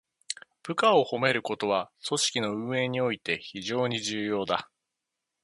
部下を褒めることは、組織の運営において非常に重要だ。